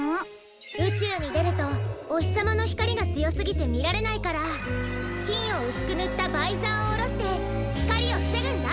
うちゅうにでるとおひさまのひかりがつよすぎてみられないからきんをうすくぬったバイザーをおろしてひかりをふせぐんだ。